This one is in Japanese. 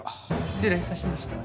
失礼致しました。